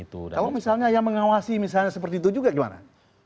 kalau misalnya yang mengawasi misalnya seperti itu juga gimana